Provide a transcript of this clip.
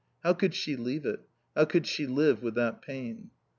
How could she leave it? How could she live with that pain?